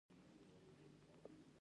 ایون څه شی دی او څنګه تشکیلیږي؟